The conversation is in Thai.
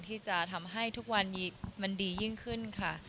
ที่จะทำให้ทุกวันนี้มันดียิ่งขึ้นค่ะ